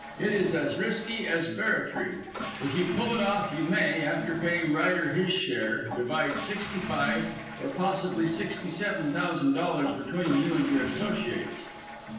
It is as risky as barratry. If you pull it off you may after paying Ryder his share divide sixty five, or possibly sixty seven, thousand dollars between you and your associates.